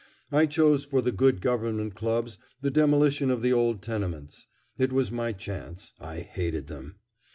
I chose for the Good Government clubs the demolition of the old tenements. It was my chance. I hated them.